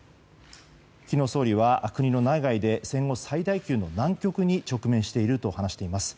昨日、総理は国の内外で戦後最大級の難局に直面していると話しています。